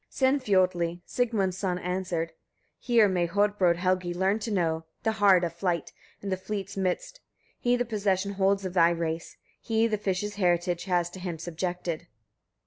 Sinfiotli, Sigmund's son, answered: 18. Here may Hodbrodd Helgi learn to know, the hard of flight, in the fleet's midst: he the possession holds of thy race; he the fishes' heritage has to him subjected.